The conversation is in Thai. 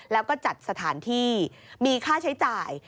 แล้วก็จัดสถานที่มีค่าใช้จ่าย